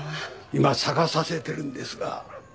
今探させてるんですが。